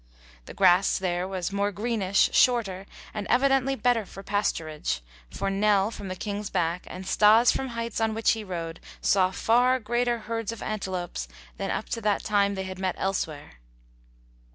The grass there was more greenish, shorter, and evidently better for pasturage, for Nell from the King's back and Stas from heights on which he rode, saw far greater herds of antelopes than up to that time they had met elsewhere.